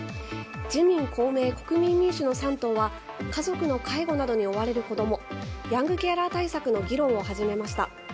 自民・公明・国民民主の３党は家族の介護などに追われる子供ヤングケアラー対策の議論を始めました。